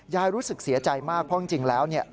รู้สึกเสียใจมากเพราะจริงแล้วเนี่ย